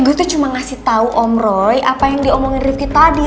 gue tuh cuma ngasih tahu om roy apa yang diomongin rifki tadi